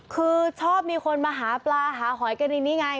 คือชอบมีคนมาหาปลาหาหอยกันในนี้ไง